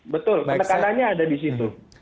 betul penekanannya ada disitu